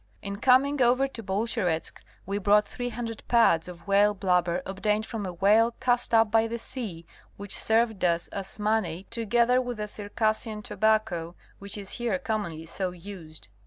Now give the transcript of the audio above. In coming over to Bolsheretsk we brought 300 puds of whale blubber obtained from a whale cast up by the sea, which served us as money, together with the Circassian tobacco which is here commonly so used.